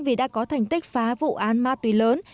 vì đã có thành tích phá vụ án ma túy lớn